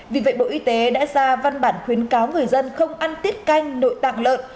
vì vậy bộ y tế đã ra văn bản khuyến cáo người dân không ăn tiết canh nội tạng lợn